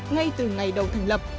ngay từ ngày đầu thành lập